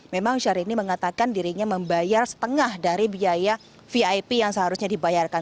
menunjukkan bahwa dia akan dirinya membayar setengah dari biaya vip yang seharusnya dibayarkan